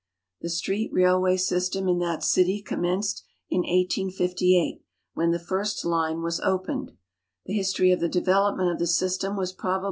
The street railway system in that city commenced in 1858, wlien the first line was opened. The history of the development of tlie system was prolial.